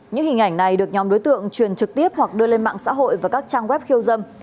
những hình ảnh này được nhóm đối tượng truyền trực tiếp hoặc đưa lên mạng xã hội và các trang web khiêu dâm